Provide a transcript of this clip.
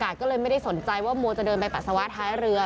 กับบรรยากาศก็เลยไม่ได้สนใจว่าโมจะเดินไปปัสสาวะท้ายเรือ